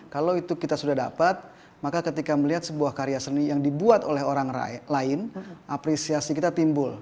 kalau itu kita sudah dapat maka ketika melihat sebuah karya seni yang dibuat oleh orang lain apresiasi kita timbul